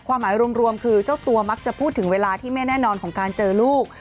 ความหมายรวมคือเจ้าตัวมักจะพูดถึงเวลาที่ไม่แน่นอนของการเจอลูก